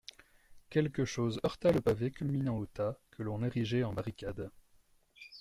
Quelque chose heurta le pavé culminant au tas que l'on érigeait en barricade.